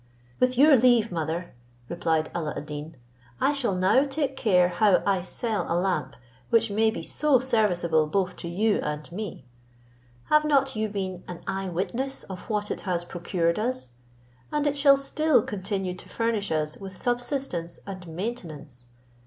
"With your leave, mother," replied Alla ad Deen, "I shall now take care how I sell a lamp, which may be so serviceable both to you and me. Have not you been an eye witness of what it has procured us? and it shall still continue to furnish us with subsistence and maintenance.